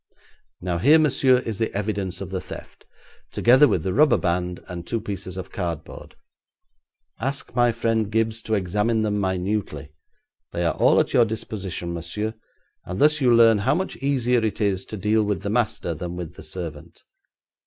Now here, Monsieur, is the evidence of the theft, together with the rubber band and two pieces of cardboard. Ask my friend Gibbes to examine them minutely. They are all at your disposition, Monsieur, and thus you learn how much easier it is to deal with the master than with the servant.